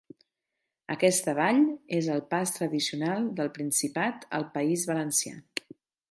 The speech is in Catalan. Aquesta vall és el pas tradicional del Principat al País Valencià.